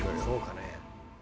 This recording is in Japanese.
そうかね？